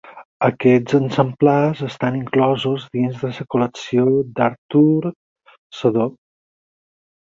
Aquests exemplars estan inclosos dintre de la col·lecció d'Artur Sedó.